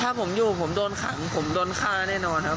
ถ้าผมอยู่ผมโดนขังผมโดนฆ่าแน่นอนครับ